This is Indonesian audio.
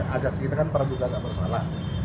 asas kita kan perbu kata bersalah